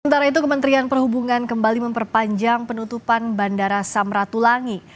sementara itu kementerian perhubungan kembali memperpanjang penutupan bandara samratulangi